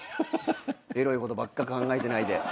エロいことばっか考えてないで。